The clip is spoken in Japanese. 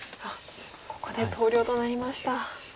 ここで投了となりました。